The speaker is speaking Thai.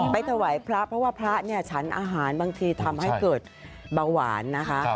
ถวายพระเพราะว่าพระเนี่ยฉันอาหารบางทีทำให้เกิดเบาหวานนะคะ